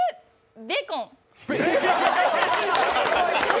ベーコン。